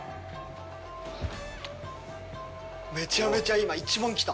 めちゃめちゃ今、一番来た。